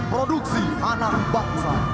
produksi anak bangsa